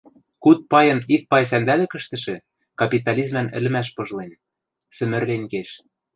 куд пайын ик пай сӓндӓлӹкӹштӹшӹ капитализман ӹлӹмӓш пыжлен, сӹмӹрлен кеш...